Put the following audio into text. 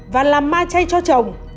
và làm ma chay cho chồng